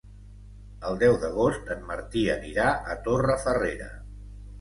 El deu d'agost en Martí anirà a Torrefarrera.